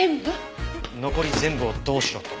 残り全部をどうしろと？